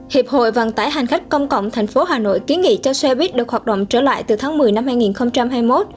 hiệp hội vận tải hành khách công cộng tp hà nội kiến nghị cho xe buýt được hoạt động trở lại từ tháng một mươi năm hai nghìn hai mươi một